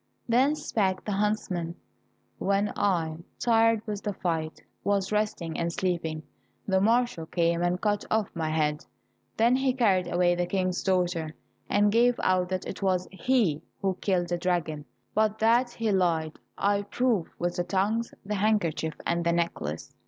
Then spake the huntsman, "When I, tired with the fight, was resting and sleeping, the marshal came and cut off my head. Then he carried away the King's daughter, and gave out that it was he who had killed the dragon, but that he lied I prove with the tongues, the handkerchief, and the necklace."